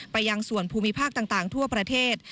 ยังส่วนภูมิภาคต่างทั่วประเทศ